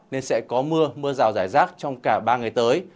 nên sẽ có mưa mưa rào rải rác trong cả ba ngày tới